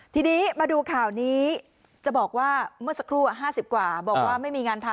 ทีนี้มาดูข่าวนี้จะบอกว่าเมื่อสักครู่๕๐กว่าบอกว่าไม่มีงานทำ